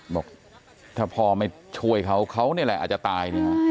บอกถ้าพอไม่ช่วยเขาเขานี่ไหล่อาจจะตาย